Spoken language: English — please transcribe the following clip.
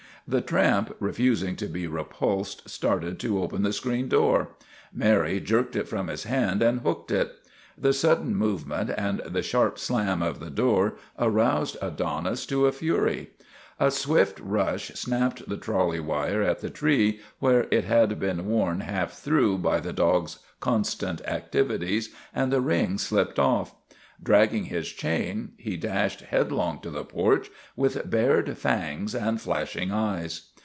The tramp, refusing to be repulsed, started to open the screen door. Mary jerked it from his hand and hooked it. The sudden movement and the sharp slam of the door aroused Adonis to a fury. A swift rush snapped the trolley wire at the tree, where it had been worn half through by the dog's constant activities, and the ring slipped off. Drag 298 THE RETURN OF THE CHAMPION ging his chain, he dashed headlong to the porch, with bared fangs and flashing eyes.